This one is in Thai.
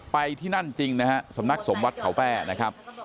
ที่นั่นจริงนะฮะสำนักสงฆ์วัดเขาแป้นะครับ